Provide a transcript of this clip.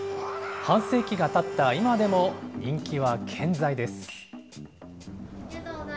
半世紀がたった今でも、人気は健在です。